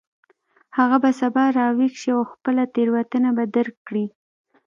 هغه به سبا راویښ شي او خپله تیروتنه به درک کړي